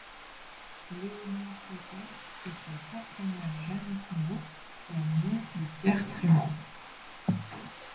Léonie Prétet était par sa mère Jeanne Trémaux, la nièce de Pierre Trémaux.